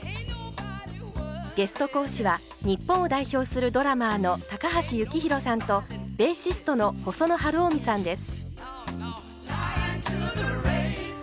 ゲスト講師は日本を代表するドラマーの高橋幸宏さんとベーシストの細野晴臣さんです。